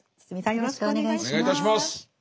よろしくお願いします。